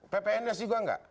ppns juga enggak